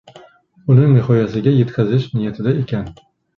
Uni nihoyasiga yetkazish niyatida ekan